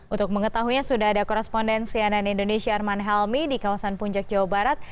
untuk mengetahuinya sudah ada korespondensi ann indonesia arman helmi di kawasan puncak jawa barat